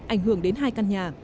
ảnh hưởng đến hai căn nhà